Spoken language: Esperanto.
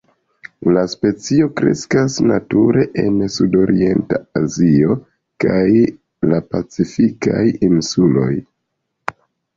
La specio kreskas nature en sudorienta Azio kaj la Pacifikaj insuloj.